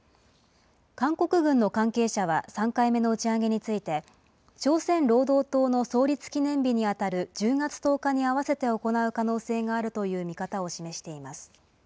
韓国軍の関係者は３回目の打ち上げについて、朝鮮労働党の創立記念日に当たる１０月１０日に合わせて行う可能性があるという見方を示しています。